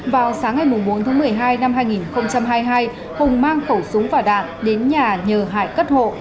vào sáng ngày bốn tháng một mươi hai năm hai nghìn hai mươi hai hùng mang khẩu súng và đạn đến nhà nhờ hải cất hộ